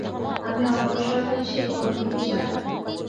আমি অগ্রসর হচ্ছি কোন দিকে জান?